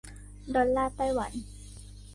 ดอลลาร์ไต้หวัน